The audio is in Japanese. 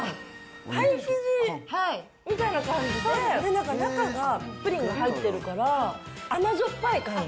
パイ生地みたいな感じで、なんか中がプリンが入ってるから、甘じょっぱい感じ。